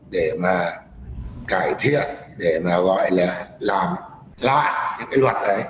để mà cải thiện để mà gọi là làm lại những luật đấy